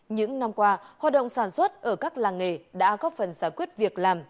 những năm qua hoạt động sản xuất ở các làng nghề đã góp phần giải quyết việc làm